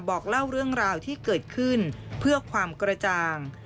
บอกเล่าเรื่องราวที่เกิดขึ้นเพื่อความกระจ่าง